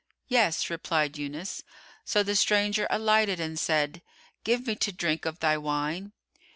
"Yes," replied Yunus. So the stranger alighted and said, "Give me to drink of thy wine."